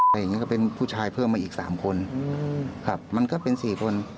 อย่างนี้ก็เป็นผู้ชายเพิ่มมาอีกสามคนมันก็เป็นสี่คน